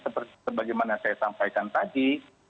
seperti sebagaimana saya sampaikan tadi